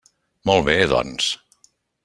Molt bé, doncs.